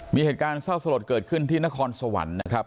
มีเหตุการณ์เศร้าสลดเกิดขึ้นที่นครสวรรค์นะครับ